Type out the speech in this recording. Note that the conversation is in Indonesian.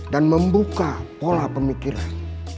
dan membuka pola pemikiran